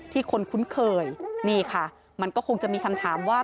คนคุ้นเคยนี่ค่ะมันก็คงจะมีคำถามว่า